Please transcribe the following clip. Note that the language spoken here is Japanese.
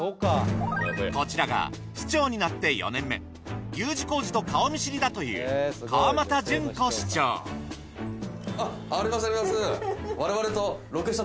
こちらが市長になって４年目Ｕ字工事と顔見知りだというあありますあります。